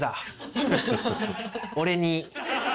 「俺に」。